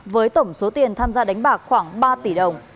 với tổng số tiền tham gia đánh bạc khoảng ba tỷ đồng